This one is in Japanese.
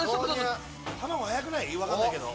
卵早くない？分かんないけど。